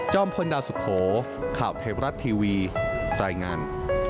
จ้อมพลดาสุโขข่าวเทพรัชทีวีรายงาน